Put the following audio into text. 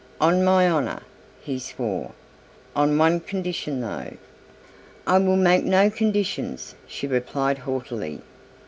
"On my honour," he swore; "on one condition though." "I will make no conditions," she replied haughtily.